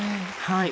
はい。